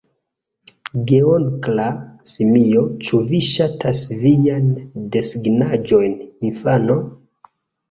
Geonkla simio: "Ĉu vi ŝatas vian desegnaĵon, infano?"